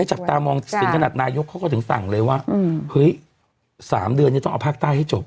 จับตามองถึงขนาดนายกเขาก็ถึงสั่งเลยว่าเฮ้ย๓เดือนนี้ต้องเอาภาคใต้ให้จบ